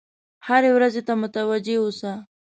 هرې ورځې ته متوجه اوسه.